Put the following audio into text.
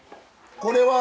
これは？